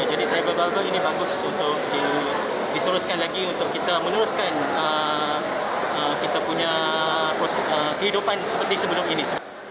jadi tribal bubble ini bagus untuk diteruskan lagi untuk kita meneruskan kehidupan seperti sebelum ini